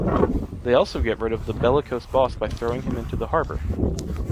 They also get rid of the bellicose boss by throwing him into the harbor.